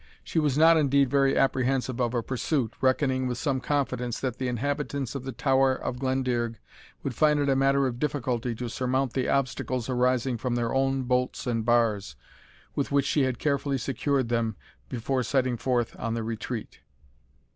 She was not indeed very apprehensive of a pursuit, reckoning with some confidence that the inhabitants of the Tower of Glendearg would find it a matter of difficulty to surmount the obstacles arising from their own bolts and bars, with which she had carefully secured them before setting forth on the retreat.